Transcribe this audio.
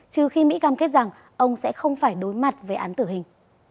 trừ khi mỹ cam kết rằng ông sẽ không phải đối mặt với án tử hình